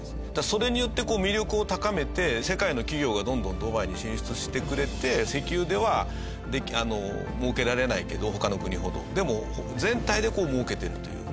それによってこう魅力を高めて世界の企業がどんどんドバイに進出してくれて石油では儲けられないけど他の国ほどでも全体で儲けているという。